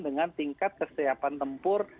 dengan tingkat kesehatan tempur